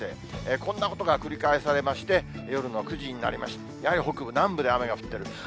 こんなことが繰り返されまして、夜の９時になりまして、やはり北部南部で雨が降ってる。